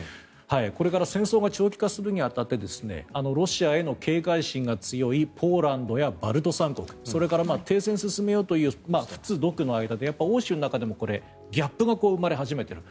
これから戦争が長期化するに当たってロシアへの警戒心が強いポーランドやバルト三国それから停戦を進めようとする仏独の間で欧州の間でもギャップが生まれ始めている。